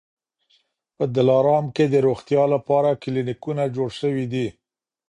په دلارام کي د روغتیا لپاره کلینیکونه جوړ سوي دي